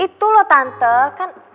itu loh tante kan